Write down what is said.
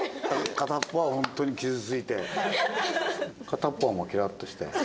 片っぽは本当に傷ついて片っぽはもうケロッとして。